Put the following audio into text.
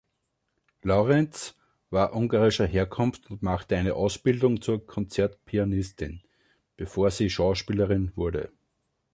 Lawrence war ungarischer Herkunft und machte eine Ausbildung zur Konzertpianistin, bevor sie Schauspielerin wurde.